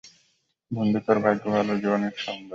বন্ধু তোর ভাগ্য ভালো যে, ও অনেক সুন্দর।